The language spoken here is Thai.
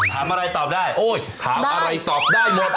ถามอะไรตอบได้โอ๊ยถามอะไรตอบได้หมด